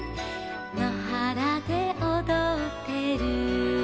「のはらでおどってる」